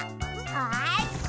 よし！